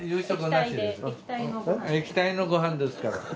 液体のご飯ですから。